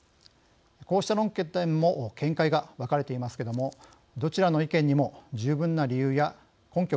こうした論点も見解が分かれていますけどもどちらの意見にも十分な理由や根拠があるように思えます。